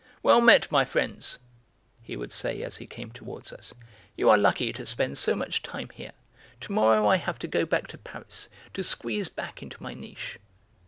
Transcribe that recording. "Well met, my friends!" he would say as he came towards us. "You are lucky to spend so much time here; to morrow I have to go back to Paris, to squeeze back into my niche.